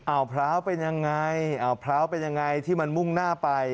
อ่าวพร้าวเป็นยังไงที่มันมุ่งหน้าไป